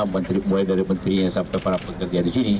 dan juga dari menteri yang sampai para pekerja di sini